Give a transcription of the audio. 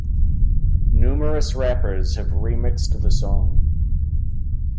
Numerous rappers have remixed the song.